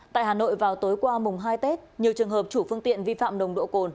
tại hà nội vào tối qua mùng hai tết nhiều trường hợp chủ phương tiện vi phạm nồng độ cồn